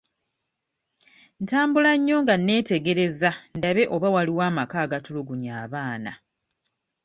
Ntambula nnyo nga neetegereza ndabe oba waliwo amaka agatulugunya abaana.